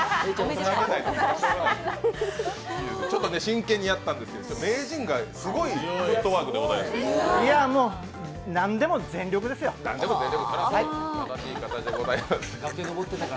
ちょっと真剣にやったんですけど、名人がすごいフットワークでした。